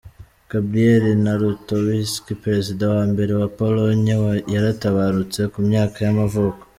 Gabriel Narutowicz, perezida wa mbere wa Pologne yaratabarutse, ku myaka y’amavuko.